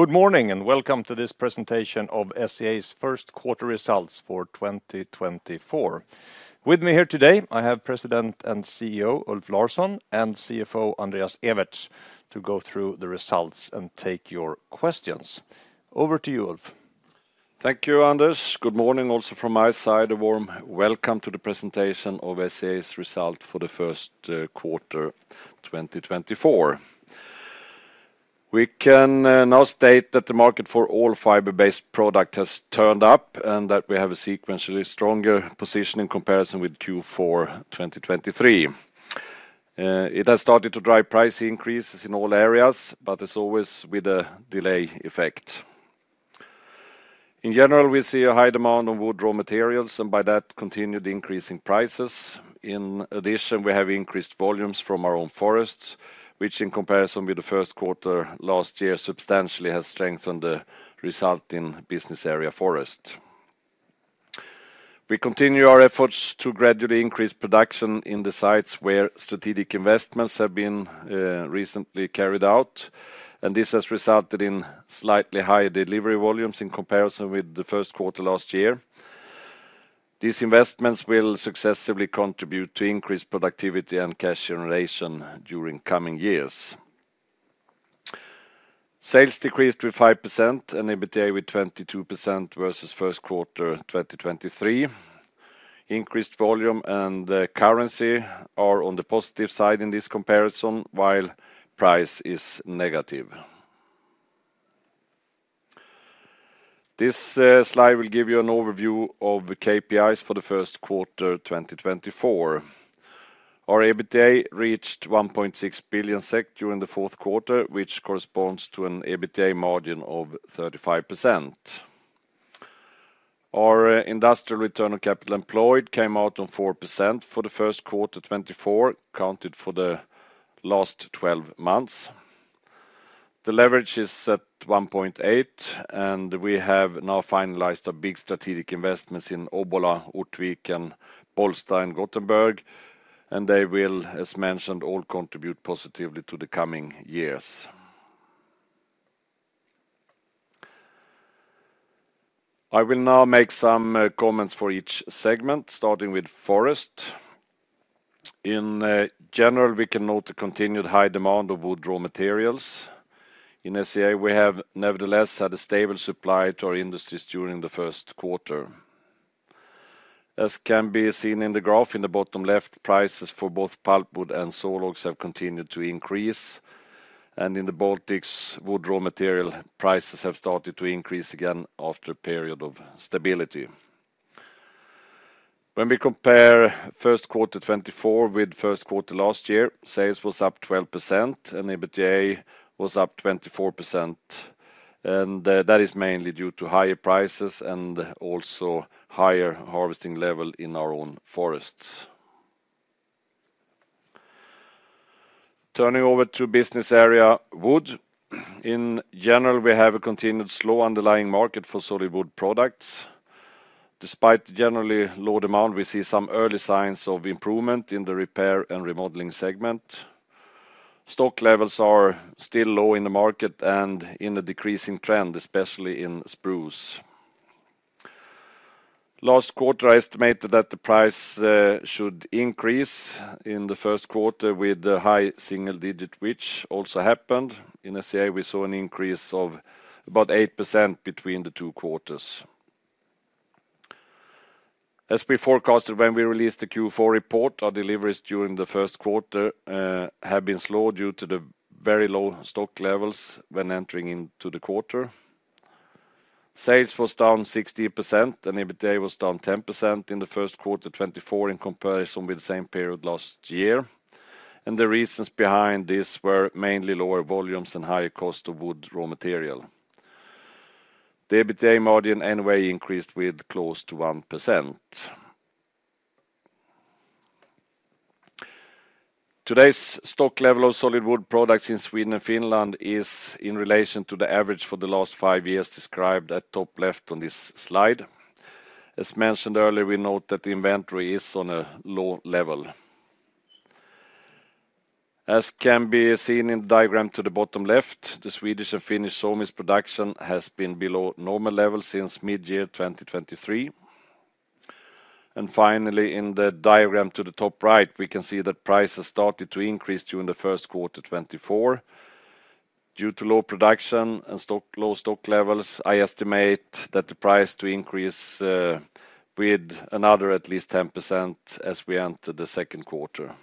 Good morning, and welcome to this presentation of SCA's first quarter results for 2024. With me here today, I have President and CEO, Ulf Larsson, and CFO, Andreas Ewertz, to go through the results and take your questions. Over to you, Ulf. Thank you, Anders. Good morning also from my side. A warm welcome to the presentation of SCA's result for the first quarter 2024. We can now state that the market for all fiber-based product has turned up, and that we have a sequentially stronger position in comparison with Q4 2023. It has started to drive price increases in all areas, but as always, with a delay effect. In general, we see a high demand on wood raw materials, and by that, continued increase in prices. In addition, we have increased volumes from our own forests, which in comparison with the first quarter last year, substantially has strengthened the result in business area forest. We continue our efforts to gradually increase production in the sites where strategic investments have been recently carried out, and this has resulted in slightly higher delivery volumes in comparison with the first quarter last year. These investments will successively contribute to increased productivity and cash generation during coming years. Sales decreased with 5% and EBITDA with 22% versus first quarter 2023. Increased volume and currency are on the positive side in this comparison, while price is negative. This slide will give you an overview of the KPIs for the first quarter 2024. Our EBITDA reached 1.6 billion SEK during the fourth quarter, which corresponds to an EBITDA margin of 35%. Our industrial return on capital employed came out on 4% for the first quarter 2024, counted for the last 12 months. The leverage is at 1.8, and we have now finalized a big strategic investment in Obbola, Ortviken, Bollsta and Gothenburg, and they will, as mentioned, all contribute positively to the coming years. I will now make some comments for each segment, starting with forest. In general, we can note the continued high demand of wood raw materials. In SCA, we have nevertheless had a stable supply to our industries during the first quarter. As can be seen in the graph, in the bottom left, prices for both pulpwood and sawlogs have continued to increase, and in the Baltics, wood raw material prices have started to increase again after a period of stability. When we compare first quarter 2024 with first quarter last year, sales was up 12% and EBITDA was up 24%, and that is mainly due to higher prices and also higher harvesting level in our own forests. Turning over to business area, wood. In general, we have a continued slow underlying market for solid wood products. Despite generally low demand, we see some early signs of improvement in the repair and remodeling segment. Stock levels are still low in the market and in a decreasing trend, especially in spruce. Last quarter, I estimated that the price should increase in the first quarter with a high single digit, which also happened. In SCA, we saw an increase of about 8% between the two quarters. As we forecasted when we released the Q4 report, our deliveries during the first quarter have been slow due to the very low stock levels when entering into the quarter. Sales was down 16%, and EBITDA was down 10% in the first quarter 2024 in comparison with the same period last year. The reasons behind this were mainly lower volumes and higher cost of wood raw material. The EBITDA margin anyway increased with close to 1%. Today's stock level of solid wood products in Sweden and Finland is, in relation to the average for the last five years, described at top left on this slide. As mentioned earlier, we note that the inventory is on a low level. As can be seen in the diagram to the bottom left, the Swedish and Finnish sawmills production has been below normal levels since mid-year 2023. And finally, in the diagram to the top right, we can see that prices started to increase during the first quarter 2024. Due to low production and low stock levels, I estimate that the price will increase with another at least 10% as we enter the second quarter.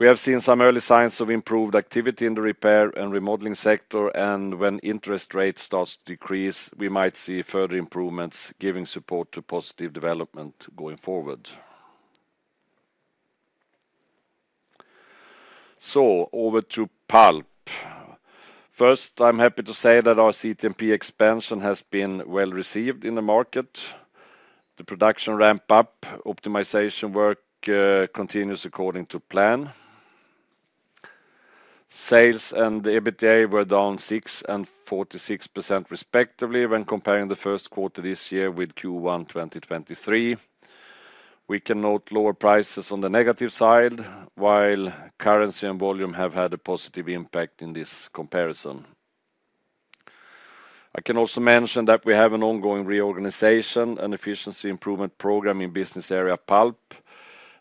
We have seen some early signs of improved activity in the repair and remodeling sector, and when interest rates start to decrease, we might see further improvements, giving support to positive development going forward. So over to pulp. First, I'm happy to say that our CTMP expansion has been well-received in the market. The production ramp up, optimization work, continues according to plan. Sales and EBITDA were down 6% and 46% respectively when comparing the first quarter this year with Q1 2023. We can note lower prices on the negative side, while currency and volume have had a positive impact in this comparison. I can also mention that we have an ongoing reorganization and efficiency improvement program in business area pulp,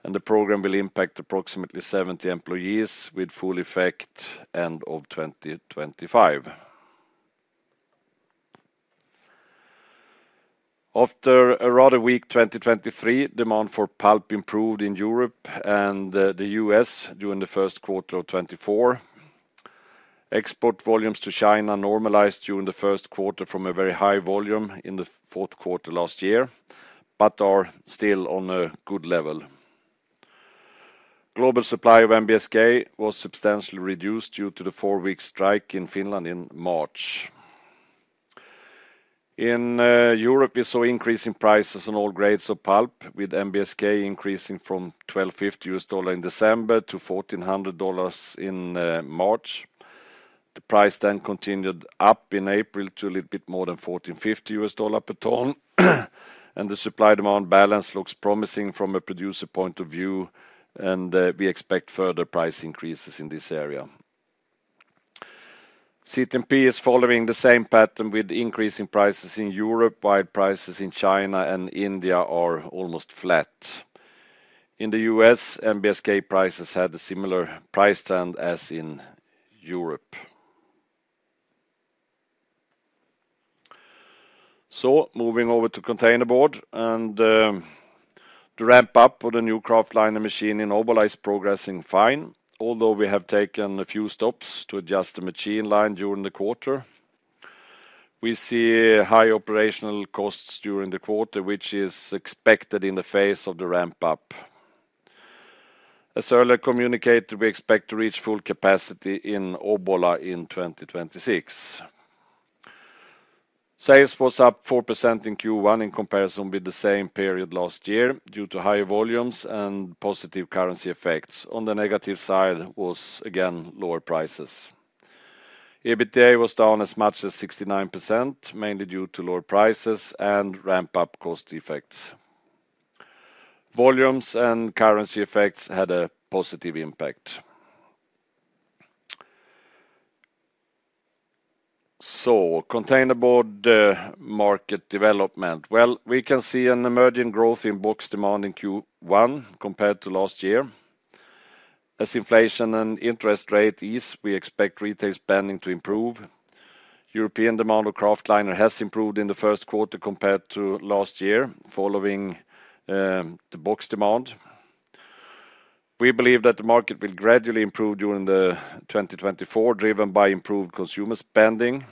and the program will impact approximately 70 employees with full effect end of 2025. After a rather weak 2023, demand for pulp improved in Europe and the U.S. during the first quarter of 2024. Export volumes to China normalized during the first quarter from a very high volume in the fourth quarter last year, but are still on a good level. Global supply of NBSK was substantially reduced due to the 4-week strike in Finland in March. In Europe, we saw increasing prices on all grades of pulp, with MBSK increasing from $1,250 in December to $1,400 in March. The price then continued up in April to a little bit more than $1,450 per ton. The supply-demand balance looks promising from a producer point of view, and we expect further price increases in this area. CTMP is following the same pattern with increase in prices in Europe, while prices in China and India are almost flat. In the U.S., NBSK prices had a similar price trend as in Europe. Moving over to containerboard, the ramp-up of the new kraftliner machine in Obbola is progressing fine, although we have taken a few stops to adjust the machine line during the quarter. We see high operational costs during the quarter, which is expected in the face of the ramp-up. As earlier communicated, we expect to reach full capacity in Obbola in 2026. Sales was up 4% in Q1 in comparison with the same period last year, due to higher volumes and positive currency effects. On the negative side was, again, lower prices. EBITDA was down as much as 69%, mainly due to lower prices and ramp-up cost effects. Volumes and currency effects had a positive impact. So containerboard market development. Well, we can see an emerging growth in box demand in Q1 compared to last year. As inflation and interest rate ease, we expect retail spending to improve. European demand of kraftliner has improved in the first quarter compared to last year, following the box demand. We believe that the market will gradually improve during 2024, driven by improved consumer spending.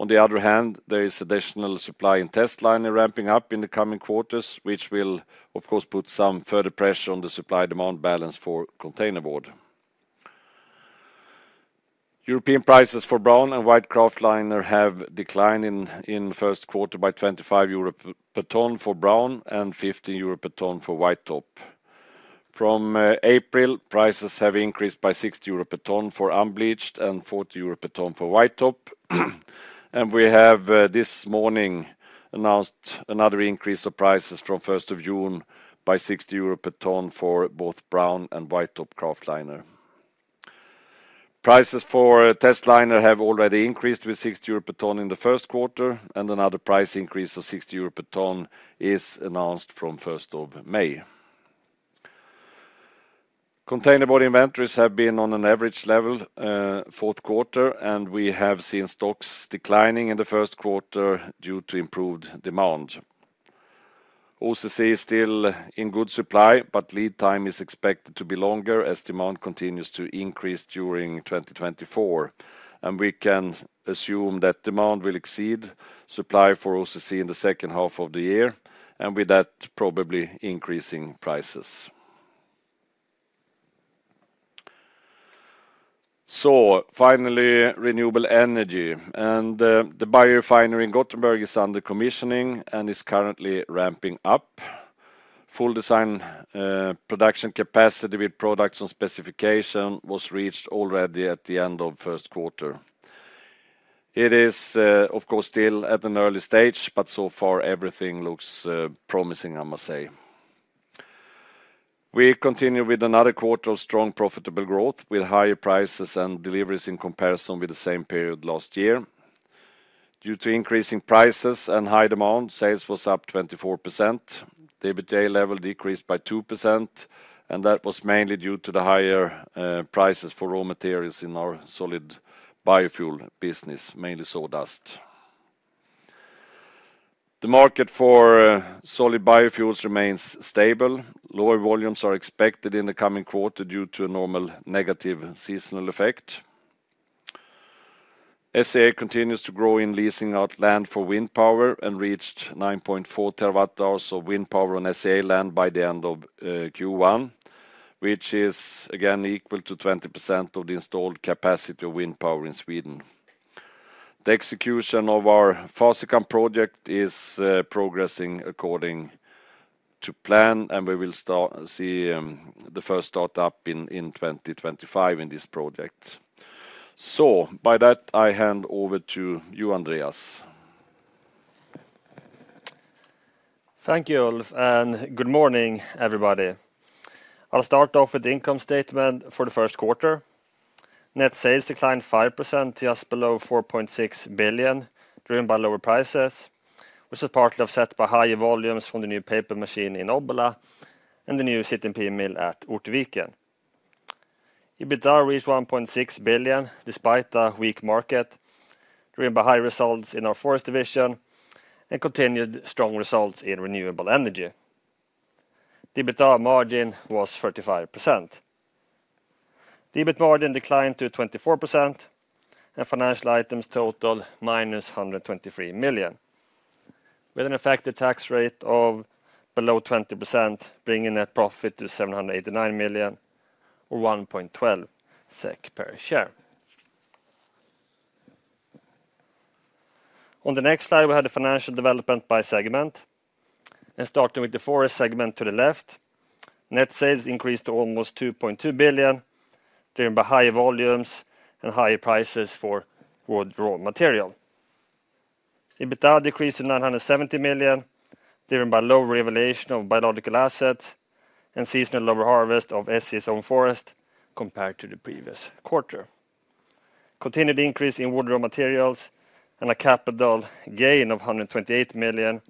On the other hand, there is additional supply and testliner ramping up in the coming quarters, which will, of course, put some further pressure on the supply-demand balance for containerboard. European prices for brown and white kraftliner have declined in the first quarter by 25 euro per ton for brown and 15 euro per ton for white top. From April, prices have increased by 60 euro per ton for unbleached and 40 euro per ton for white top. And we have this morning announced another increase of prices from the first of June by 60 euro per ton for both brown and white top kraftliner. Prices for testliner have already increased with 60 euro per ton in the first quarter, and another price increase of 60 euro per ton is announced from first of May. Containerboard inventories have been on an average level, fourth quarter, and we have seen stocks declining in the first quarter due to improved demand. OCC is still in good supply, but lead time is expected to be longer as demand continues to increase during 2024. And we can assume that demand will exceed supply for OCC in the second half of the year, and with that, probably increasing prices. So finally, renewable energy, and the biorefinery in Gothenburg is under commissioning and is currently ramping up. Full design production capacity with products on specification was reached already at the end of first quarter. It is, of course, still at an early stage, but so far, everything looks promising, I must say. We continue with another quarter of strong, profitable growth, with higher prices and deliveries in comparison with the same period last year. Due to increasing prices and high demand, sales was up 24%. The EBITDA level decreased by 2%, and that was mainly due to the higher prices for raw materials in our solid biofuel business, mainly sawdust. The market for solid biofuels remains stable. Lower volumes are expected in the coming quarter due to a normal negative seasonal effect. SCA continues to grow in leasing out land for wind power and reached 9.4 TWh of wind power on SCA land by the end of Q1, which is again equal to 20% of the installed capacity of wind power in Sweden. The execution of our Fasikan project is progressing according to plan, and we will start the first start-up in 2025 in this project. So by that, I hand over to you, Andreas. Thank you, Ulf, and good morning, everybody. I'll start off with the income statement for the first quarter. Net sales declined 5% to just below 4.6 billion, driven by lower prices, which was partly offset by higher volumes from the new paper machine in Obbola, and the new CTMP mill at Ortviken. EBITDA reached 1.6 billion, despite the weak market, driven by high results in our forest division, and continued strong results in renewable energy. EBITDA margin was 35%. EBIT margin declined to 24%, and financial items total minus 123 million, with an effective tax rate of below 20%, bringing net profit to 789 million or 1.12 SEK per share. On the next slide, we have the financial development by segment, and starting with the forest segment to the left, net sales increased to almost 2.2 billion, driven by higher volumes and higher prices for wood raw material. EBITDA decreased to 970 million, driven by lower revaluation of biological assets and seasonal lower harvest of SCA's own forest compared to the previous quarter. Continued increase in wood raw materials and a capital gain of 128 million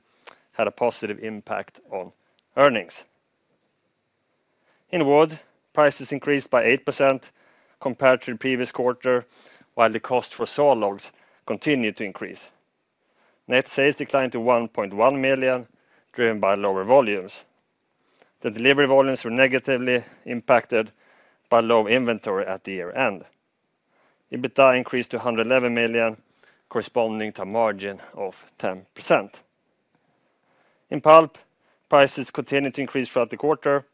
had a positive impact on earnings. In wood, prices increased by 8% compared to the previous quarter, while the cost for sawlogs continued to increase. Net sales declined to 1.1 million, driven by lower volumes. The delivery volumes were negatively impacted by low inventory at the year-end. EBITDA increased to 111 million, corresponding to a margin of 10%. In pulp, prices continued to increase throughout the quarter.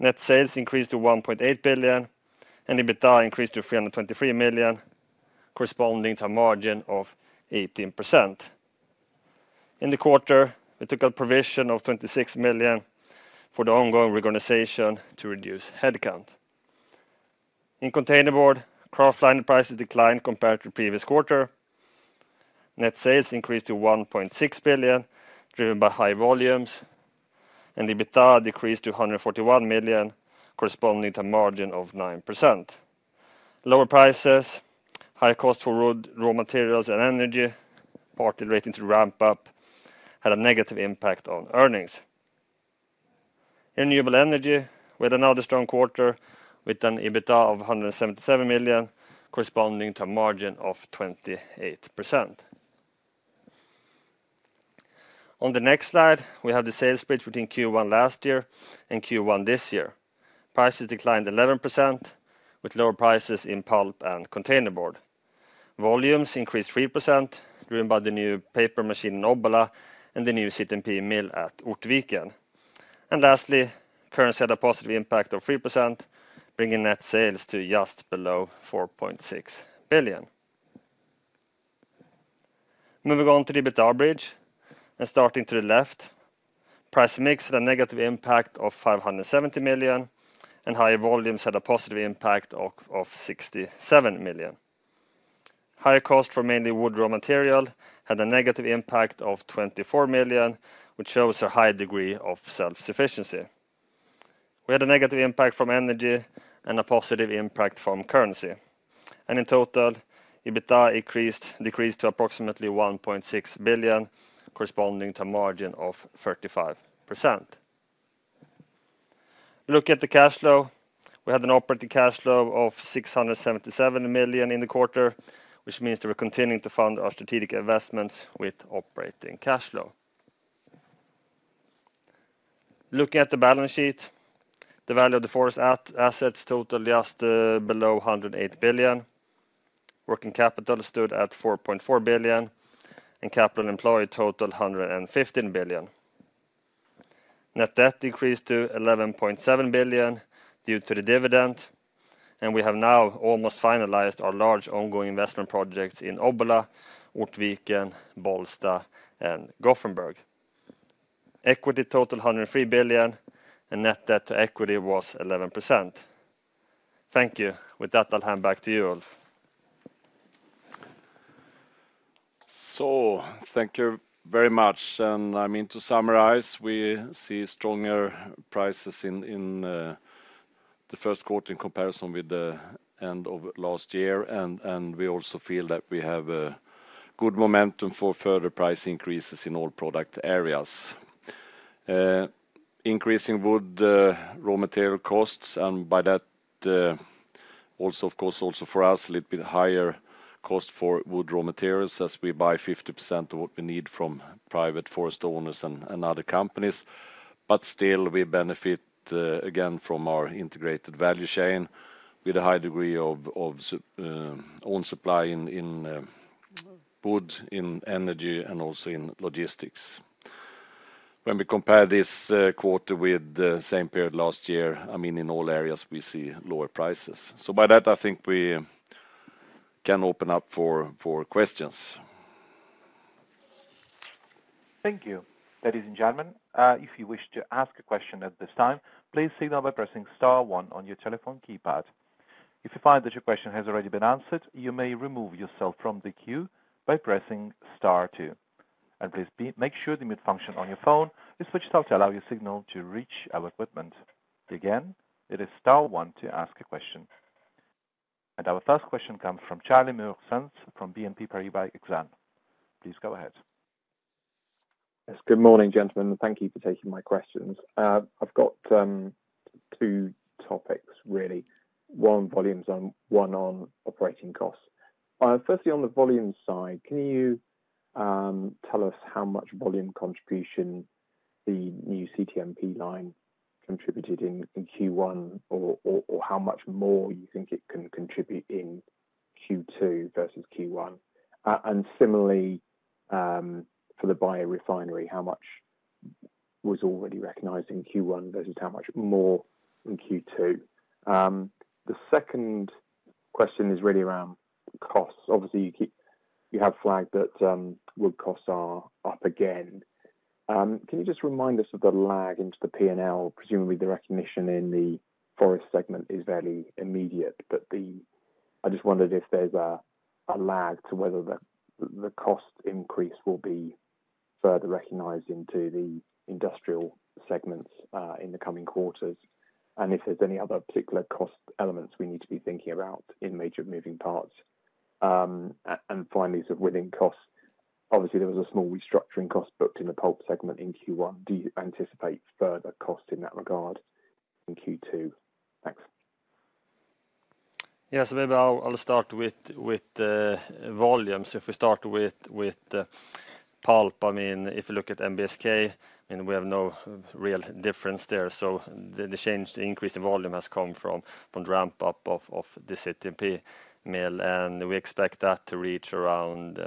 Net sales increased to 1.8 billion, and EBITDA increased to 323 million, corresponding to a margin of 18%. In the quarter, we took a provision of 26 million for the ongoing reorganization to reduce headcount. In containerboard, kraftliner prices declined compared to the previous quarter. Net sales increased to 1.6 billion, driven by high volumes, and EBITDA decreased to 141 million, corresponding to a margin of 9%. Lower prices, high cost for wood, raw materials, and energy, partly relating to ramp up, had a negative impact on earnings. Renewable energy, we had another strong quarter with an EBITDA of 177 million, corresponding to a margin of 28%. On the next slide, we have the sales split between Q1 last year and Q1 this year. Prices declined 11%, with lower prices in pulp and containerboard. Volumes increased 3%, driven by the new paper machine in Obbola, and the new CTMP mill at Ortviken. Lastly, currency had a positive impact of 3%, bringing net sales to just below 4.6 billion. Moving on to the EBITDA bridge, and starting to the left, price mix had a negative impact of 570 million, and higher volumes had a positive impact of 67 million. Higher cost from mainly wood raw material had a negative impact of 24 million, which shows a high degree of self-sufficiency. We had a negative impact from energy and a positive impact from currency, and in total, EBITDA increased, decreased to approximately 1.6 billion, corresponding to a margin of 35%. Look at the cash flow. We had an operating cash flow of 677 million in the quarter, which means that we're continuing to fund our strategic investments with operating cash flow. Looking at the balance sheet, the value of the forest assets total just below 108 billion. Working capital stood at 4.4 billion, and capital employed totaled 115 billion. Net debt decreased to 11.7 billion due to the dividend, and we have now almost finalized our large ongoing investment projects in Obbola, Ortviken, Bollsta, and Gothenburg. Equity totaled 103 billion, and net debt to equity was 11%. Thank you. With that, I'll hand back to you, Ulf. So thank you very much. And I mean, to summarize, we see stronger prices in the first quarter in comparison with the end of last year, and we also feel that we have a good momentum for further price increases in all product areas. Increasing wood raw material costs, and by that, also of course, also for us, a little bit higher cost for wood raw materials, as we buy 50% of what we need from private forest owners and other companies. But still, we benefit again from our integrated value chain with a high degree of own supply in wood, in energy, and also in logistics. When we compare this quarter with the same period last year, I mean, in all areas, we see lower prices. So by that, I think we can open up for questions.... Thank you. Ladies and gentlemen, if you wish to ask a question at this time, please signal by pressing star one on your telephone keypad. If you find that your question has already been answered, you may remove yourself from the queue by pressing star two. And please, make sure the mute function on your phone is switched off to allow your signal to reach our equipment. Again, it is star one to ask a question. And our first question comes from Charlie Muir-Sands from BNP Paribas Exane. Please go ahead. Yes, good morning, gentlemen. Thank you for taking my questions. I've got two topics, really. One on volumes, one on operating costs. Firstly, on the volume side, can you tell us how much volume contribution the new CTMP line contributed in Q1, or how much more you think it can contribute in Q2 versus Q1? And similarly, for the biorefinery, how much was already recognized in Q1 versus how much more in Q2? The second question is really around costs. Obviously, you have flagged that wood costs are up again. Can you just remind us of the lag into the P&L? Presumably, the recognition in the forest segment is fairly immediate, but the... I just wondered if there's a lag to whether the cost increase will be further recognized into the industrial segments in the coming quarters, and if there's any other particular cost elements we need to be thinking about in major moving parts. And finally, so within costs, obviously, there was a small restructuring cost booked in the pulp segment in Q1. Do you anticipate further cost in that regard in Q2? Thanks. Yes, maybe I'll start with the volumes. If we start with pulp, I mean, if you look at MBSK, and we have no real difference there. So the change, the increase in volume has come from the ramp-up of the CTMP mill, and we expect that to reach around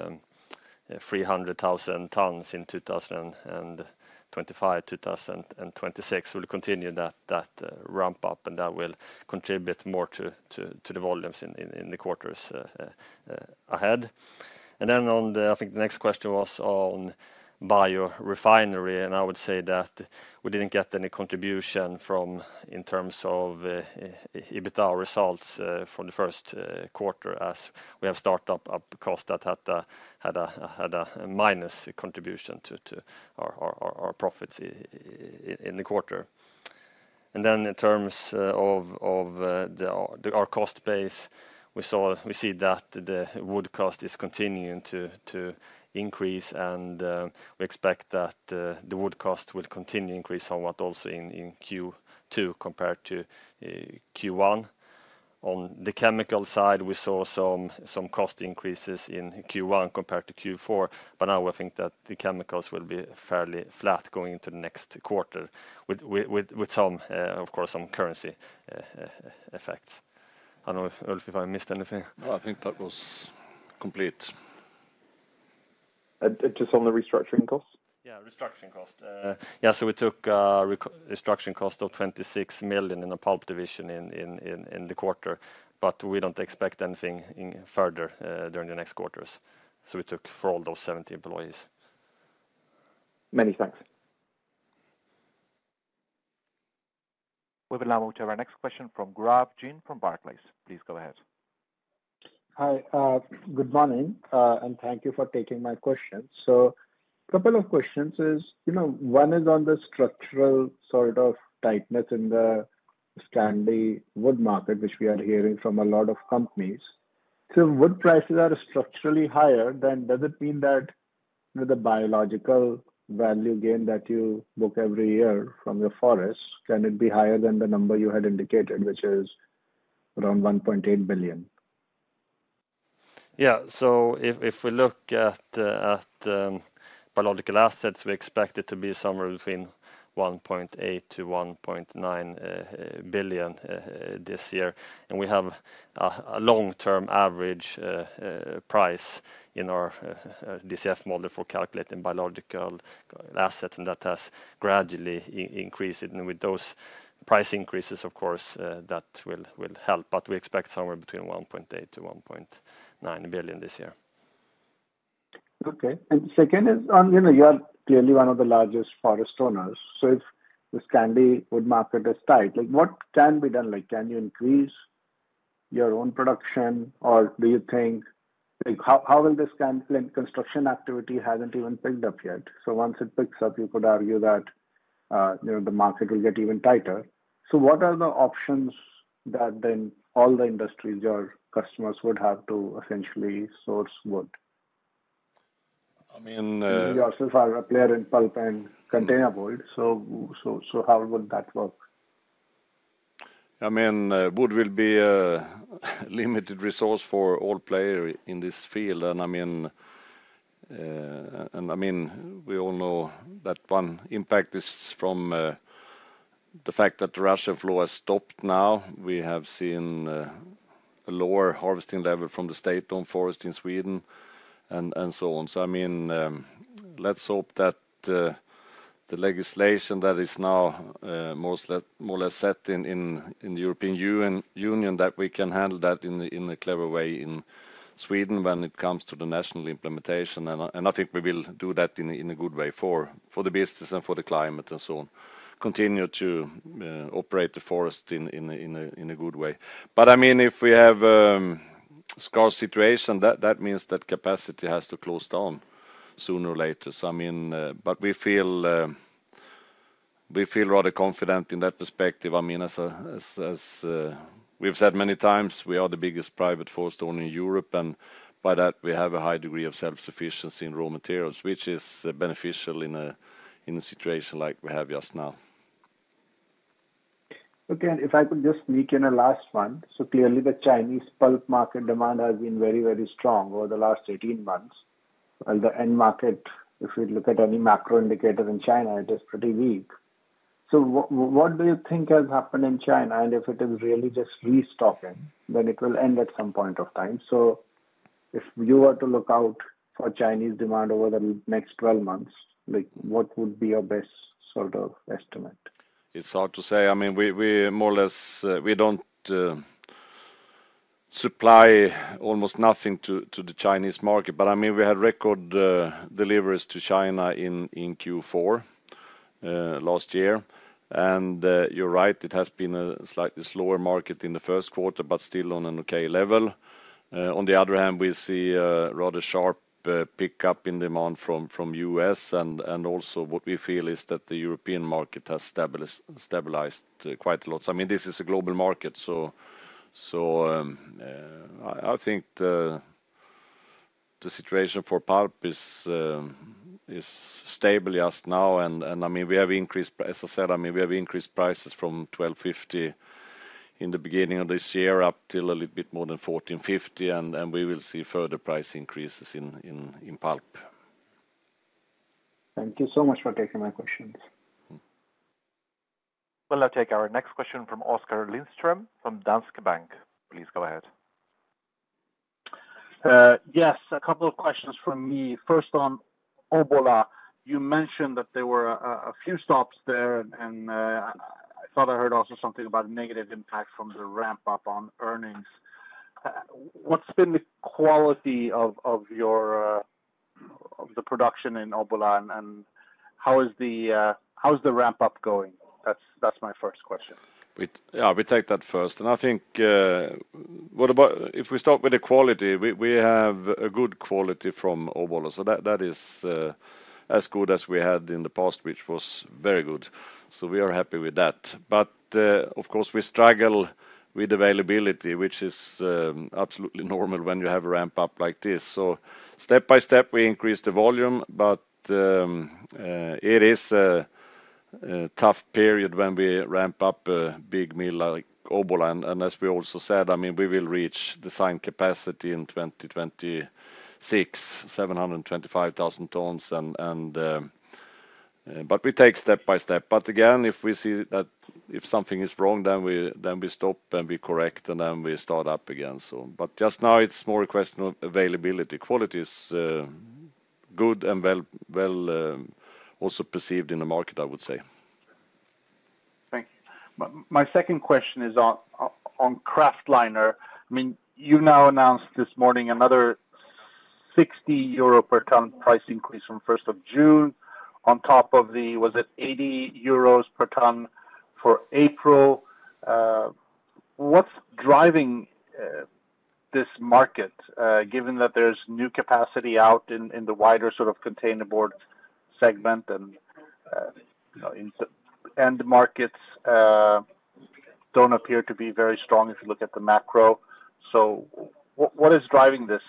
300,000 tons in 2025. 2026, we'll continue that ramp-up, and that will contribute more to the volumes in the quarters ahead. And then on the—I think the next question was on biorefinery, and I would say that we didn't get any contribution from, in terms of, EBITDA results, from the first quarter, as we have startup costs that had a minus contribution to our profits in the quarter. And then in terms of our cost base, we saw—we see that the wood cost is continuing to increase, and we expect that the wood cost will continue to increase somewhat also in Q2 compared to Q1. On the chemical side, we saw some cost increases in Q1 compared to Q4, but now we think that the chemicals will be fairly flat going into the next quarter, with some, of course, some currency effect. I don't know, Ulf, if I missed anything. No, I think that was complete. And just on the restructuring costs? Yeah, restructuring cost. Yeah, so we took a restructuring cost of 26 million in the pulp division in the quarter, but we don't expect anything further during the next quarters. So we took for all those 70 employees. Many thanks. We will now move to our next question from Gaurav Jain from Barclays. Please go ahead. Hi, good morning, and thank you for taking my question. Couple of questions is, you know, one is on the structural sort of tightness in the Scandi wood market, which we are hearing from a lot of companies. Wood prices are structurally higher, then does it mean that the biological value gain that you book every year from your forest, can it be higher than the number you had indicated, which is around 1.8 billion? Yeah. So if we look at biological assets, we expect it to be somewhere between 1.8 billion-1.9 billion this year. And we have a long-term average price in our DCF model for calculating biological asset, and that has gradually increased, and with those price increases, of course, that will help, but we expect somewhere between 1.8 billion-1.9 billion this year. Okay. And second is on, you know, you are clearly one of the largest forest owners, so if the Scandi wood market is tight, like, what can be done? Like, can you increase your own production, or do you think, like how, how will this Scandi, and construction activity hasn't even picked up yet. So once it picks up, you could argue that, you know, the market will get even tighter. So what are the options that then all the industries, your customers, would have to essentially source wood? I mean, You yourself are a player in pulp and containerboard, so how would that work? I mean, wood will be a limited resource for all players in this field. And I mean, we all know that one impact is from the fact that the Russian flow has stopped now. We have seen a lower harvesting level from the state-owned forest in Sweden and so on. So I mean, let's hope that the legislation that is now more or less set in the European Union, that we can handle that in a clever way in Sweden when it comes to the national implementation. And I think we will do that in a good way for the business and for the climate and so on, continue to operate the forest in a good way. But I mean, if we have scarce situation, that means that capacity has to close down sooner or later. So I mean, but we feel rather confident in that perspective. I mean, as we've said many times, we are the biggest private forest owner in Europe, and by that we have a high degree of self-sufficiency in raw materials, which is beneficial in a situation like we have just now. Okay, and if I could just sneak in a last one? So clearly, the Chinese pulp market demand has been very, very strong over the last 18 months, while the end market, if we look at any macro indicator in China, it is pretty weak. So what do you think has happened in China? And if it is really just restocking, then it will end at some point of time. So if you were to look out for Chinese demand over the next 12 months, like, what would be your best sort of estimate? It's hard to say. I mean, we more or less don't supply almost nothing to the Chinese market. But I mean, we had record deliveries to China in Q4 last year. And you're right, it has been a slightly slower market in the first quarter, but still on an okay level. On the other hand, we see a rather sharp pickup in demand from U.S. And also what we feel is that the European market has stabilized quite a lot. So I mean, this is a global market, so I think the situation for pulp is stable just now. And I mean, we have increased, as I said, I mean, we have increased prices from $12.50 in the beginning of this year, up till a little bit more than $14.50, and we will see further price increases in pulp. Thank you so much for taking my questions. We'll now take our next question from Oskar Lindström, from Danske Bank. Please go ahead. Yes, a couple of questions from me. First, on Obbola, you mentioned that there were a few stops there, and I thought I heard also something about a negative impact from the ramp-up on earnings. What's been the quality of your production in Obbola, and how is the ramp-up going? That's my first question. Yeah, we take that first, and I think, if we start with the quality, we have a good quality from Obbola, so that is as good as we had in the past, which was very good, so we are happy with that. But, of course, we struggle with availability, which is absolutely normal when you have a ramp-up like this. So step by step, we increase the volume, but it is a tough period when we ramp up a big mill like Obbola. And as we also said, I mean, we will reach design capacity in 2026, 725,000 tons. But we take step by step. But again, if we see that if something is wrong, then we stop, and we correct, and then we start up again, so. But just now, it's more a question of availability. Quality is good and well, well, also perceived in the market, I would say. Thank you. My second question is on kraftliner. I mean, you now announced this morning another 60 euro per ton price increase from 1st of June, on top of the, was it, 80 euros per ton for April. What's driving this market, given that there's new capacity out in the wider sort of containerboard segment, and you know, end markets don't appear to be very strong if you look at the macro? So what is driving this,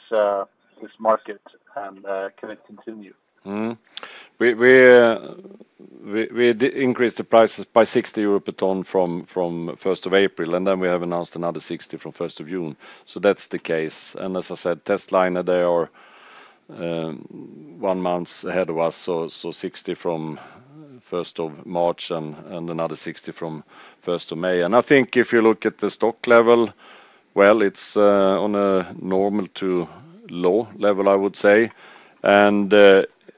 this market, and can it continue? Mm-hmm. We increased the prices by 60 euro per ton from 1st of April, and then we have announced another 60 from 1st of June, so that's the case. And as I said, testliner, they are one month ahead of us, so 60 from 1st of March and another 60 from 1st of May. And I think if you look at the stock level, well, it's on a normal to low level, I would say. And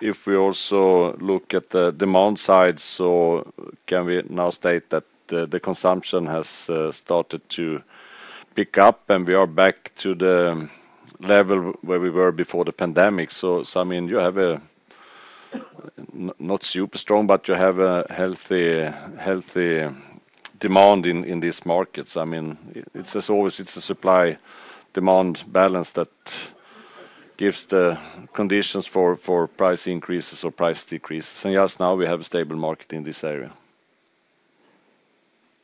if we also look at the demand side, so can we now state that the consumption has started to pick up, and we are back to the level where we were before the pandemic. So I mean, you have a not super strong, but you have a healthy demand in these markets. I mean, it's, as always, it's a supply-demand balance that gives the conditions for, for price increases or price decreases, and just now we have a stable market in this area.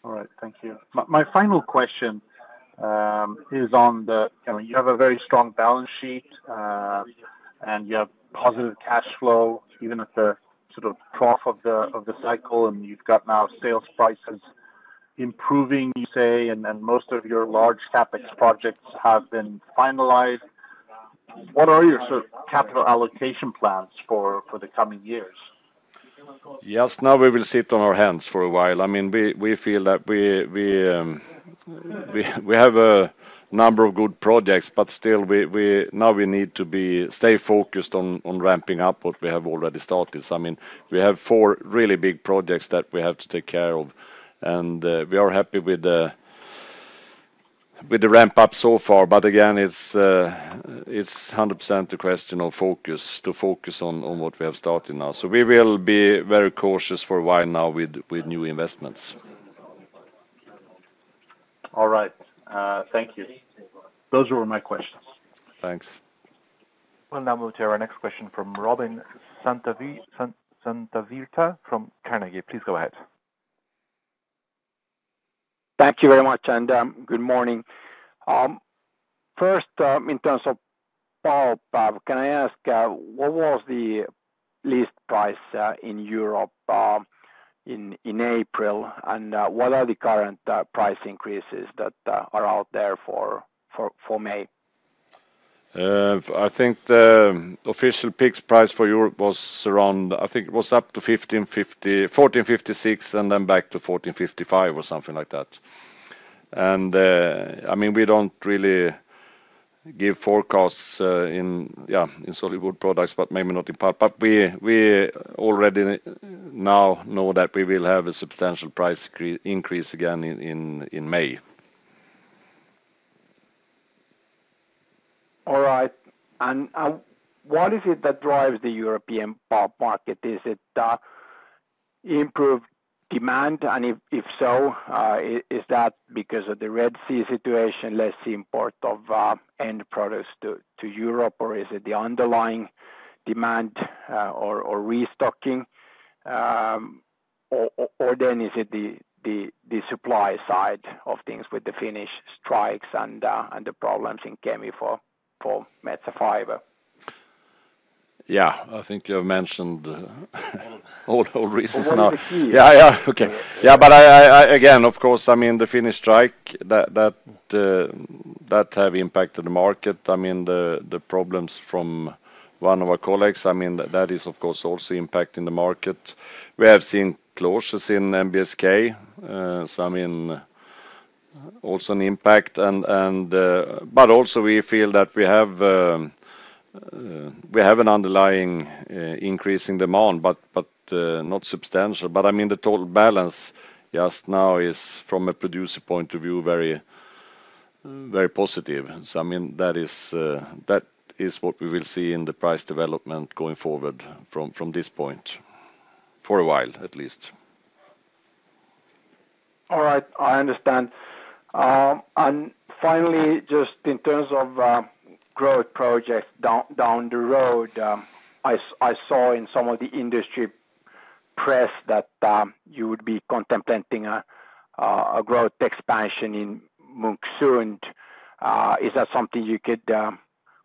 All right, thank you. My final question is on the... I mean, you have a very strong balance sheet, and you have positive cash flow, even at the sort of trough of the cycle, and you've got now sales prices improving, you say, and then most of your large CapEx projects have been finalized. What are your sort of capital allocation plans for the coming years? Just now, we will sit on our hands for a while. I mean, we feel that we have a number of good projects, but still, we now need to stay focused on ramping up what we have already started. So I mean, we have four really big projects that we have to take care of, and we are happy with the ramp up so far, but again, it's 100% a question of focus, to focus on what we have started now. So we will be very cautious for a while now with new investments. All right, thank you. Those were my questions. Thanks. We'll now move to our next question from Robin Santavirta from Carnegie. Please go ahead. Thank you very much, and good morning. First, in terms of pulp, can I ask what was the list price in Europe in April? And what are the current price increases that are out there for May? I think the official peak price for Europe was around, I think it was up to 1,550—1,456, and then back to 1,455, or something like that. And, I mean, we don't really give forecasts in, yeah, in solid wood products, but maybe not in pulp. But we already now know that we will have a substantial price increase again in May. All right. And what is it that drives the European pulp market? Is it improved demand? And if so, is that because of the Red Sea situation, less import of end products to Europe? Or is it the underlying demand, or restocking? Or then is it the supply side of things with the Finnish strikes and the problems in Kemi for Metsä Fibre? Yeah, I think you have mentioned all reasons now. What are the key? Yeah, yeah. Okay. Yeah, but again, of course, I mean, the Finnish strike that have impacted the market. I mean, the problems from one of our colleagues, I mean, that is, of course, also impacting the market. We have seen closures in BSK, so I mean, also an impact. And but also we feel that we have an underlying increase in demand, but not substantial. But I mean, the total balance just now is, from a producer point of view, very, very positive. So I mean, that is what we will see in the price development going forward from this point, for a while, at least. All right, I understand. And finally, just in terms of growth projects down the road, I saw in some of the industry press that you would be contemplating a growth expansion in Munksund. Is that something you could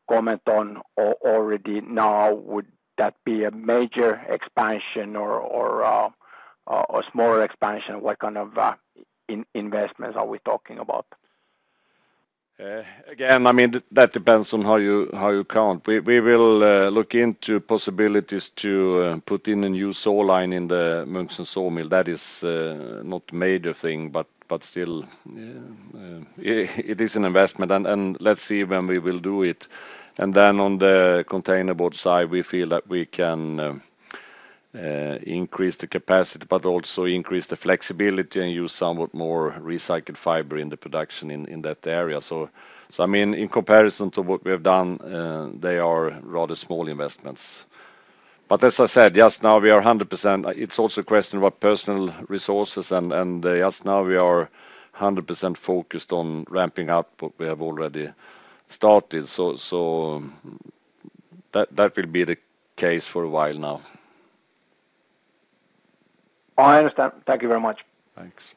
comment on already now? Would that be a major expansion or a smaller expansion? What kind of investments are we talking about? Again, I mean, that depends on how you count. We will look into possibilities to put in a new saw line in the Munksund sawmill. That is not a major thing, but still, it is an investment. And let's see when we will do it. And then on the containerboard side, we feel that we can increase the capacity, but also increase the flexibility and use somewhat more recycled fiber in the production in that area. So I mean, in comparison to what we have done, they are rather small investments. But as I said, just now, we are 100%... It's also a question about personal resources, and just now, we are 100% focused on ramping up what we have already started. So that will be the case for a while now. I understand. Thank you very much. Thanks.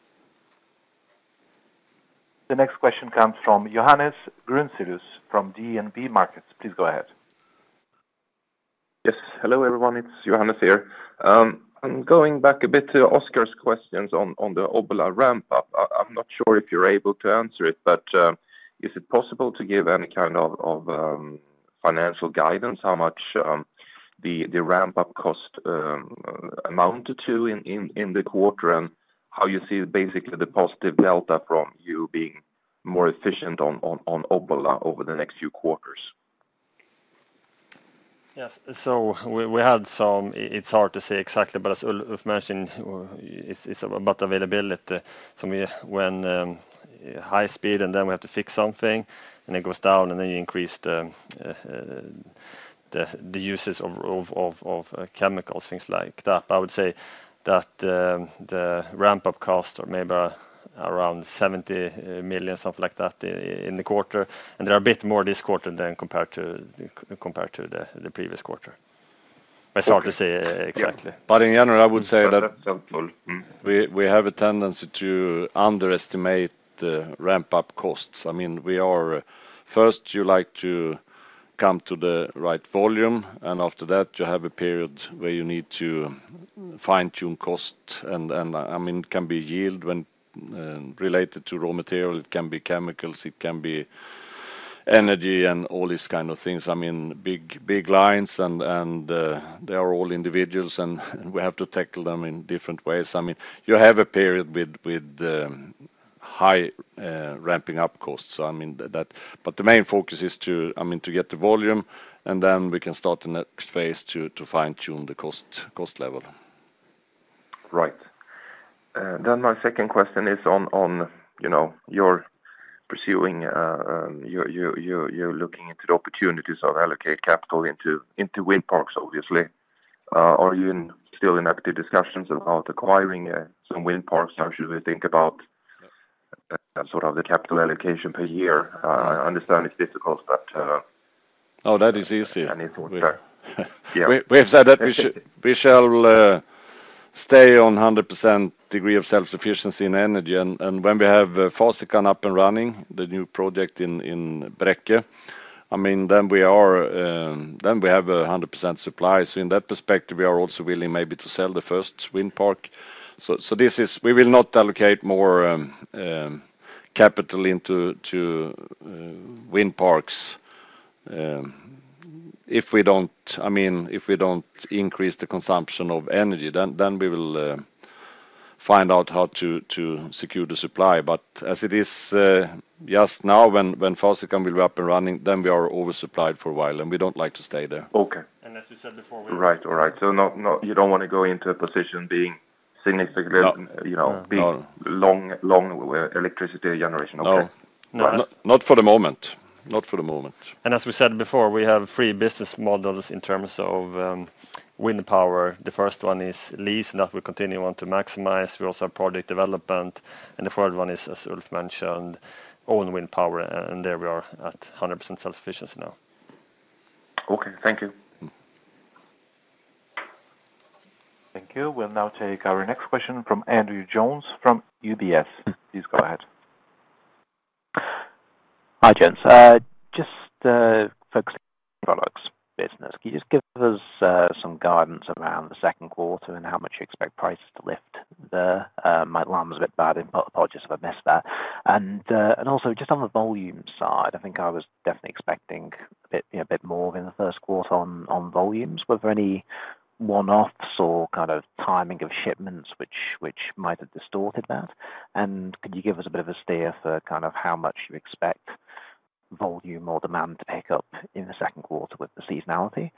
The next question comes from Johannes Grunselius from DNB Markets. Please go ahead. Yes. Hello, everyone, it's Johannes here. I'm going back a bit to Oscar's questions on the Obbola ramp up. I'm not sure if you're able to answer it, but is it possible to give any kind of financial guidance, how much the ramp up cost amount to, in the quarter? And how you see basically the positive delta from you being more efficient on Obbola over the next few quarters? Yes. So we had some, it's hard to say exactly, but as Ulf mentioned, it's about availability. So we when high speed, and then we have to fix something, and it goes down, and then you increase the uses of chemicals, things like that. But I would say that, the ramp up cost are maybe around 70 million, something like that, in the quarter, and they are a bit more this quarter than compared to the previous quarter. It's hard to say exactly. In general, I would say that-... Yeah. We have a tendency to underestimate the ramp-up costs. I mean, we are, first, you like to come to the right volume, and after that, you have a period where you need to fine-tune cost. And I mean, it can be yield when related to raw material, it can be chemicals, it can be energy, and all these kind of things. I mean, big, big lines, and they are all individuals, and we have to tackle them in different ways. I mean, you have a period with high ramping up costs. So I mean, that, but the main focus is to, I mean, to get the volume, and then we can start the next phase to fine-tune the cost, cost level.... Right. Then my second question is on, you know, you're pursuing, you're looking into the opportunities of allocate capital into wind parks, obviously. Are you still in active discussions about acquiring some wind parks? How should we think about sort of the capital allocation per year? I understand it's difficult, but— Oh, that is easy. Important. Yeah. We have said that we shall stay on 100% degree of self-sufficiency in energy, and when we have Fasikan up and running, the new project in Bräcke, I mean, then we are, then we have a 100% supply. So in that perspective, we are also willing maybe to sell the first wind park. So this is-- we will not allocate more capital into wind parks, if we don't-- I mean, if we don't increase the consumption of energy, then we will find out how to secure the supply. But as it is just now, when Fasikan will be up and running, then we are oversupplied for a while, and we don't like to stay there. Okay. As we said before, Right. All right. So not—you don't want to go into a position being significantly- No. You know- No... being long, long electricity generation. No. Okay. Right. Not, not for the moment. Not for the moment. As we said before, we have three business models in terms of wind power. The first one is lease, and that we continue on to maximize. We also have project development, and the third one is, as Ulf mentioned, own wind power, and there we are at 100% self-sufficiency now. Okay. Thank you. Thank you. We'll now take our next question from Andrew Jones from UBS. Please go ahead. Hi, gents. Just focusing on products business, can you just give us some guidance around the second quarter and how much you expect prices to lift there? My line was a bit bad. Apologies if I missed that. And also, just on the volume side, I think I was definitely expecting a bit, you know, a bit more in the first quarter on volumes. Were there any one-offs or kind of timing of shipments which might have distorted that? And could you give us a bit of a steer for kind of how much you expect volume or demand to pick up in the second quarter with the seasonality?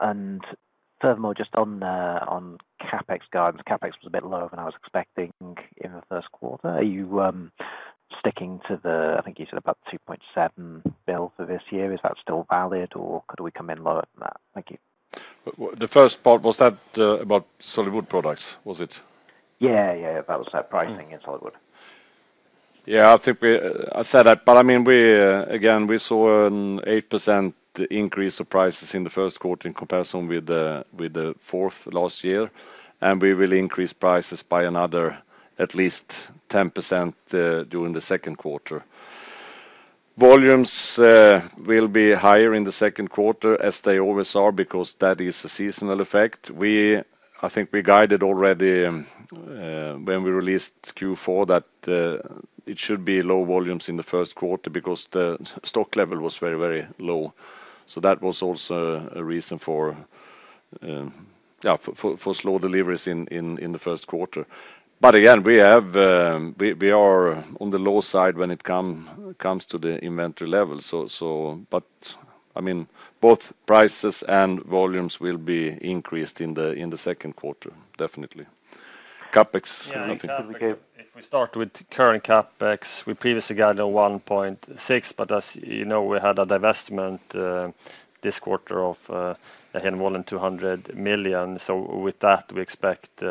And furthermore, just on the CapEx guidance, CapEx was a bit lower than I was expecting in the first quarter. Are you sticking to the, I think you said about 2.7 billion for this year? Is that still valid, or could we come in lower than that? Thank you. The first part, was that about solid wood products, was it? Yeah, yeah. About that pricing in solid wood. Yeah, I think we said that, but I mean, we again saw an 8% increase of prices in the first quarter in comparison with the fourth last year, and we will increase prices by another at least 10% during the second quarter. Volumes will be higher in the second quarter, as they always are, because that is a seasonal effect. I think we guided already when we released Q4, that it should be low volumes in the first quarter because the stock level was very, very low. So that was also a reason for slow deliveries in the first quarter. But again, we are on the low side when it comes to the inventory level. But, I mean, both prices and volumes will be increased in the second quarter, definitely. CapEx, I think you gave- Yeah, CapEx, if we start with current CapEx, we previously guided on 1.6, but as you know, we had a divestment this quarter of again more than 200 million. So with that, we expect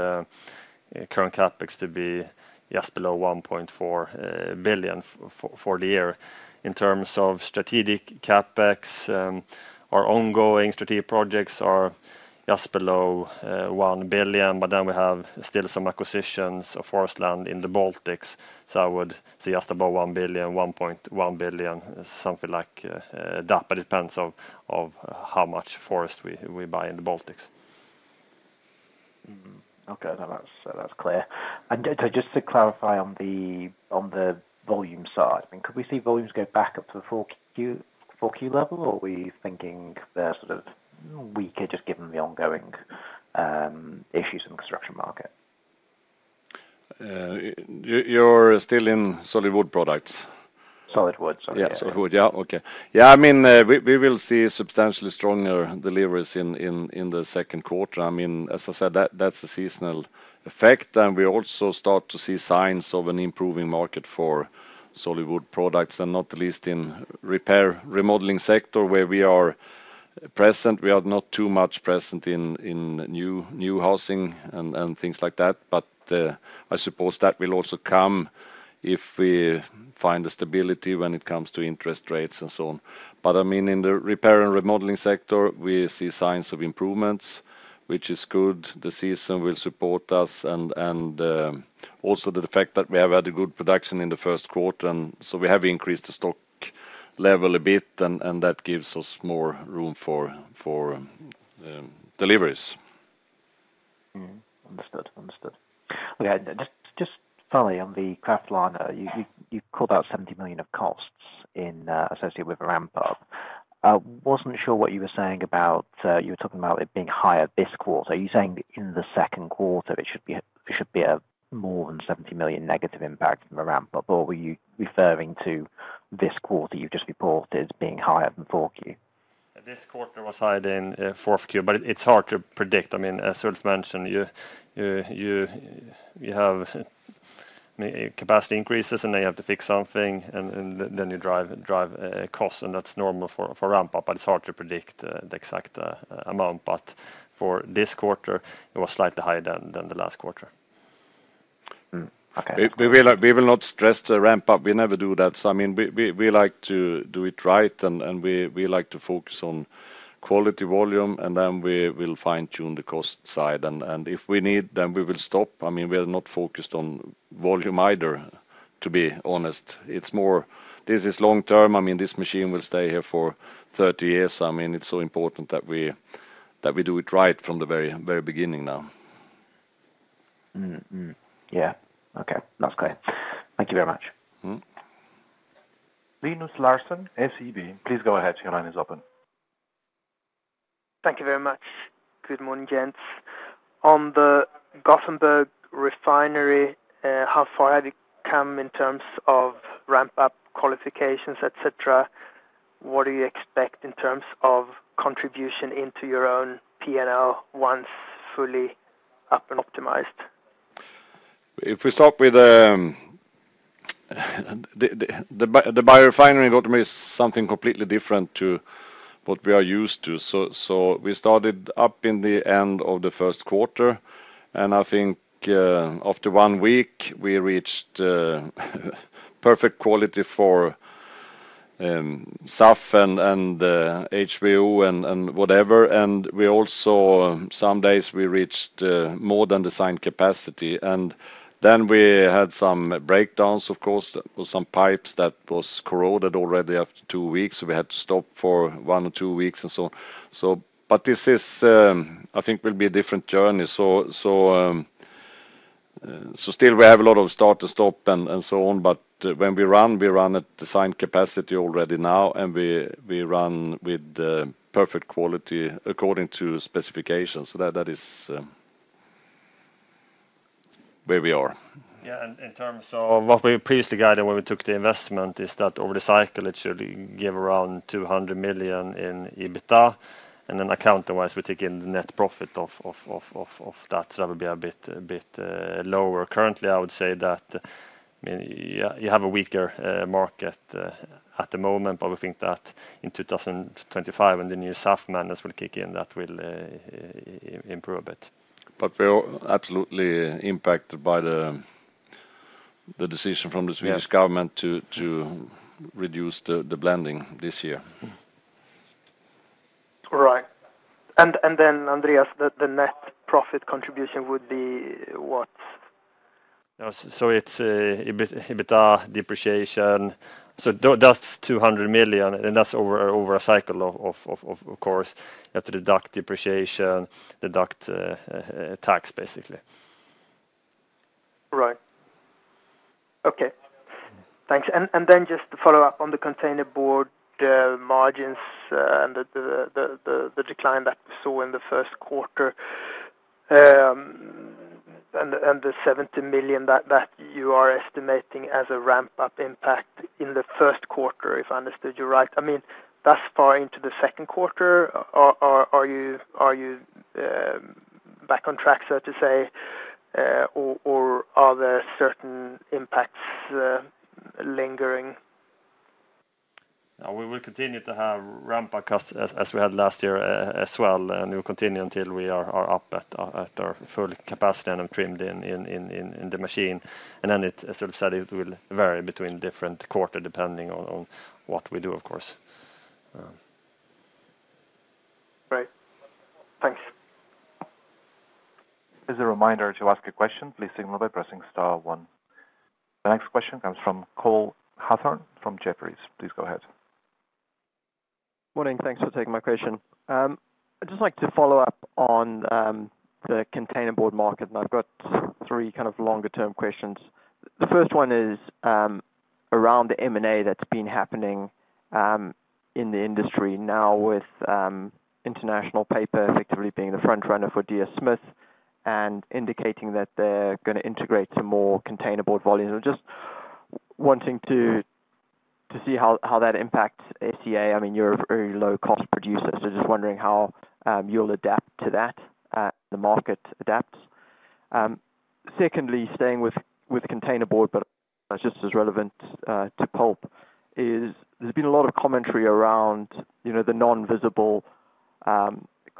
current CapEx to be just below 1.4 billion for the year. In terms of strategic CapEx, our ongoing strategic projects are just below 1 billion, but then we have still some acquisitions of forest land in the Baltics, so I would say just about 1 billion, 1.1 billion, something like that, but it depends on how much forest we buy in the Baltics. Mm-hmm. Okay, now that's, so that's clear. And just to clarify on the, on the volume side, I mean, could we see volumes go back up to the 4Q, 4Q level, or are we thinking they're sort of weaker, just given the ongoing issues in the construction market? You're still in solid wood products? Solid wood, sorry. Yeah, solid wood. Yeah. Okay. Yeah, I mean, we will see substantially stronger deliveries in the second quarter. I mean, as I said, that's a seasonal effect, and we also start to see signs of an improving market for solid wood products, and not least in repair and remodeling sector, where we are present. We are not too much present in new housing and things like that, but I suppose that will also come if we find a stability when it comes to interest rates and so on. But I mean, in the repair and remodeling sector, we see signs of improvements, which is good. The season will support us, and also the fact that we have had a good production in the first quarter, and so we have increased the stock level a bit, and that gives us more room for deliveries. Mm-hmm. Understood. Understood. Okay, just finally, on the Kraftliner, you called out 70 million of costs associated with the ramp up. I wasn't sure what you were saying about you were talking about it being higher this quarter. Are you saying that in the second quarter, it should be more than 70 million negative impact from the ramp up, or were you referring to this quarter you've just reported as being higher than Q4?... This quarter was higher than fourth quarter, but it's hard to predict. I mean, as Ulf mentioned, you have capacity increases, and then you have to fix something, and then you drive costs, and that's normal for ramp up, but it's hard to predict the exact amount. But for this quarter, it was slightly higher than the last quarter. Mm-hmm. Okay. We will not stress the ramp up. We never do that. So I mean, we like to do it right, and we like to focus on quality volume, and then we will fine-tune the cost side, and if we need, then we will stop. I mean, we are not focused on volume either, to be honest. It's more this is long term. I mean, this machine will stay here for 30 years. I mean, it's so important that we do it right from the very, very beginning now. Mm-hmm. Yeah. Okay, that's clear. Thank you very much. Mm-hmm. Linus Larsson, SEB, please go ahead. Your line is open. Thank you very much. Good morning, gents. On the Gothenburg refinery, how far have you come in terms of ramp up qualifications, et cetera? What do you expect in terms of contribution into your own P&L once fully up and optimized? If we start with the biorefinery, Gothenburg is something completely different to what we are used to. So we started up in the end of the first quarter, and I think after one week, we reached perfect quality for SAF and HVO, and whatever. And we also, some days we reached more than designed capacity, and then we had some breakdowns, of course, with some pipes that was corroded already after two weeks, so we had to stop for one or two weeks and so on. So but this is, I think will be a different journey. Still we have a lot of start to stop and so on, but when we run, we run at design capacity already now, and we run with perfect quality according to specifications. That is where we are. Yeah, and in terms of what we previously guided when we took the investment, is that over the cycle, it should give around 200 million in EBITDA, and then account-wise, we take in the net profit of that, so that will be a bit lower. Currently, I would say that, I mean, yeah, you have a weaker market at the moment, but we think that in 2025, when the new SAF mandates will kick in, that will improve a bit. But we're absolutely impacted by the decision from the- Yeah... Swedish government to reduce the blending this year. Right. And then, Andreas, the net profit contribution would be what? So it's EBITDA depreciation, so that's 200 million, and that's over a cycle of course. You have to deduct depreciation, deduct tax, basically. Right. Okay. Thanks. And then just to follow up on the containerboard margins and the decline that we saw in the first quarter, and the 70 million that you are estimating as a ramp up impact in the first quarter, if I understood you right. I mean, thus far into the second quarter, are you back on track, so to say, or are there certain impacts lingering? We will continue to have ramp up costs as we had last year, as well, and we'll continue until we are up at our full capacity and trimmed in the machine. And then it, as Ulf said, it will vary between different quarter, depending on what we do, of course. Great. Thanks. As a reminder, to ask a question, please signal by pressing star one. The next question comes from Cole Hathorn from Jefferies. Please go ahead. Morning. Thanks for taking my question. I'd just like to follow up on the containerboard market, and I've got three kind of longer-term questions. The first one is around the M&A that's been happening in the industry now with International Paper effectively being the front runner for DS Smith and indicating that they're gonna integrate some more containerboard volume. I'm just wanting to see how that impacts SCA. I mean, you're a very low-cost producer, so just wondering how you'll adapt to that, the market adapts. Secondly, staying with containerboard, but just as relevant to pulp, is there's been a lot of commentary around, you know, the non-visible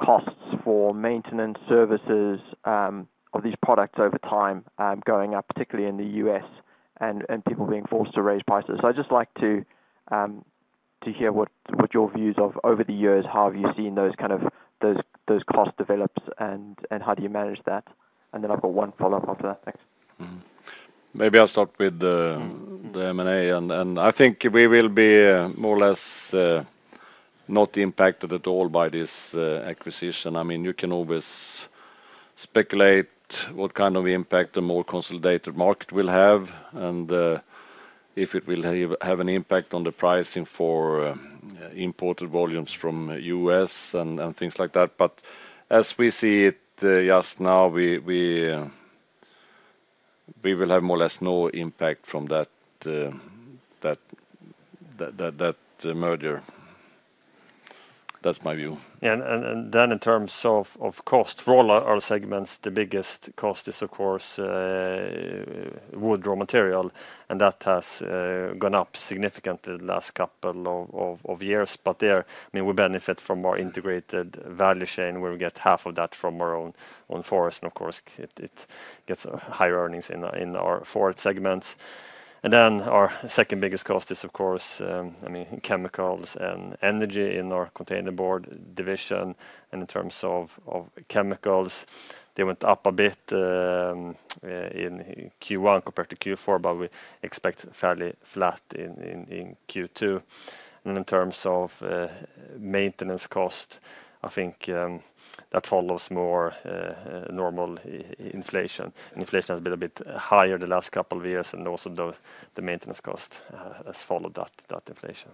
costs for maintenance, services of these products over time going up, particularly in the U.S., and people being forced to raise prices. I'd just like to to hear what your views of over the years, how have you seen those kind of those costs develops, and how do you manage that? Then I've got one follow-up after that. Thanks. Mm-hmm. Maybe I'll start with the M&A, and I think we will be more or less not impacted at all by this acquisition. I mean, you can always speculate what kind of impact the more consolidated market will have, and if it will have an impact on the pricing for imported volumes from U.S. and things like that. But as we see it just now, we will have more or less no impact from that merger. That's my view. Then in terms of cost, for all our segments, the biggest cost is, of course, wood raw material, and that has gone up significantly the last couple of years. But there, I mean, we benefit from more integrated value chain, where we get half of that from our own forest, and of course, it gets higher earnings in our forest segments. And then our second biggest cost is, of course, I mean, chemicals and energy in our containerboard division. And in terms of chemicals, they went up a bit in Q1 compared to Q4, but we expect fairly flat in Q2. And in terms of maintenance cost, I think that follows more normal inflation. Inflation has been a bit higher the last couple of years, and also the maintenance cost has followed that inflation.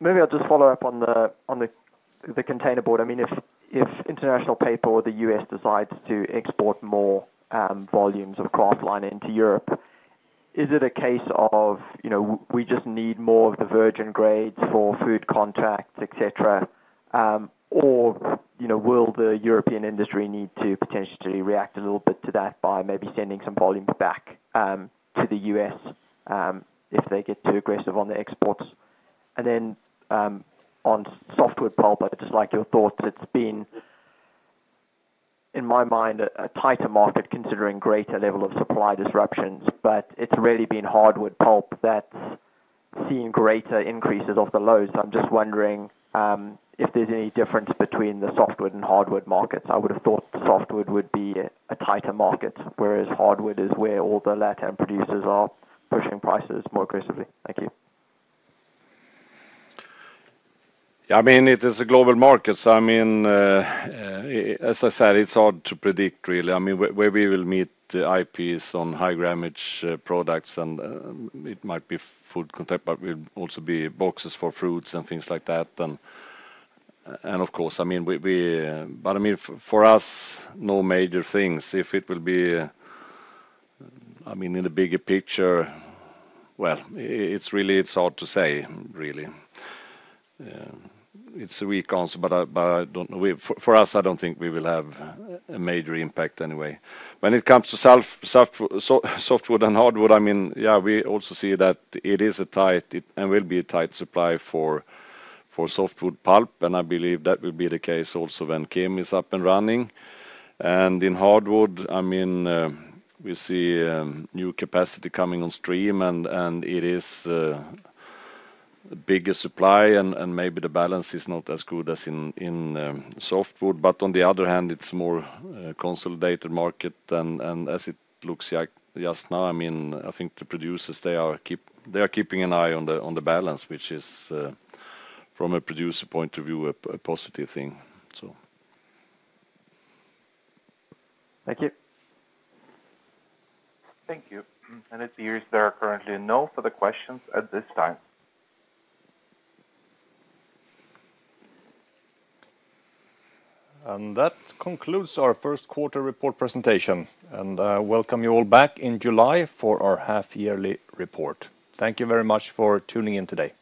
Maybe I'll just follow up on the containerboard. I mean, if International Paper or the U.S. decides to export more volumes of kraftliner into Europe, is it a case of, you know, we just need more of the virgin grades for food contracts, et cetera? Or, you know, will the European industry need to potentially react a little bit to that by maybe sending some volume back to the U.S. if they get too aggressive on the exports? And then on softwood pulp, I'd just like your thoughts. It's been, in my mind, a tighter market, considering greater level of supply disruptions, but it's really been hardwood pulp that's seen greater increases off the lows. So I'm just wondering if there's any difference between the softwood and hardwood markets? I would have thought softwood would be a tighter market, whereas hardwood is where all the Latin producers are pushing prices more aggressively. Thank you. Yeah, I mean, it is a global market, so I mean, as I said, it's hard to predict, really. I mean, where we will meet the IPs on high-grammage products, and it might be food contact, but will also be boxes for fruits and things like that. And of course, I mean, but I mean, for us, no major things. If it will be, I mean, in the bigger picture, well, it's really, it's hard to say, really. It's a weak answer, but I don't know. We... For us, I don't think we will have a major impact anyway. When it comes to softwood and hardwood, I mean, yeah, we also see that it is a tight and will be a tight supply for softwood pulp, and I believe that will be the case also when Kemi is up and running. And in hardwood, I mean, we see new capacity coming on stream, and it is bigger supply, and maybe the balance is not as good as in softwood. But on the other hand, it's more consolidated market, and as it looks like just now, I mean, I think the producers they are keeping an eye on the balance, which is from a producer point of view a positive thing, so. Thank you. Thank you. It appears there are currently no further questions at this time. That concludes our first quarter report presentation, and I welcome you all back in July for our half-yearly report. Thank you very much for tuning in today.